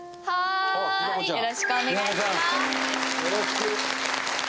よろしくお願いします。